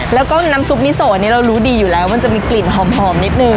แล้วก็น้ำซุปมิโซนี่เรารู้ดีอยู่แล้วมันจะมีกลิ่นหอมนิดนึง